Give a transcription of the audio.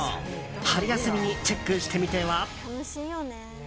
春休みにチェックしてみては？